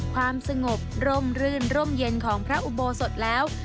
ความสงบร่มรื่นร่มเย็นของพระอุโบสถแล้ว